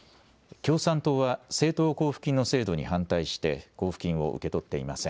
共産党は政党交付金の制度に反対して交付金を受け取っていません。